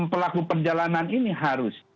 pelaku perjalanan ini harus